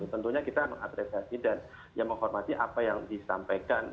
tentunya kita mengapresiasi dan menghormati apa yang disampaikan